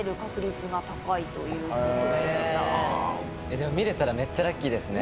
でも見れたらめっちゃラッキーですね。